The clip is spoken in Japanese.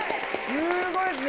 すごいですね